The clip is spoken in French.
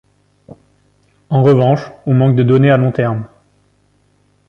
En revanche, on manque de données à long terme.